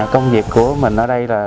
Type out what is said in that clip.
công việc của mình ở đây là